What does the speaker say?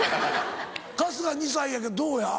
春日２歳やけどどうや？